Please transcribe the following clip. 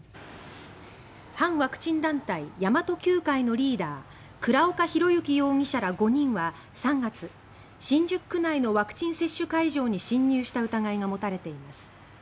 反ワクチン団体神真都Ｑ会のリーダー倉岡宏行容疑者ら５人は３月新宿区内のワクチン接種会場に侵入した疑いが持たれています。